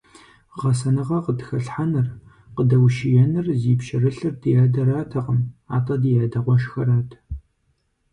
Гъэсэныгъэ къытхэлъхьэныр, къыдэущиеныр зи пщэрылъыр ди адэратэкъым, атӀэ ди адэ къуэшхэрат.